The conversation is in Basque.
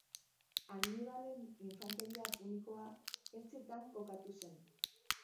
Hanibalen infanteria punikoa ertzetan kokatu zen.